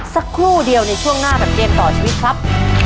สักครู่เดียวในช่วงหน้ากับเกมต่อชีวิตครับ